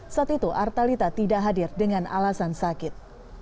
saat itu artalita tidak hadir dengan alasan sakit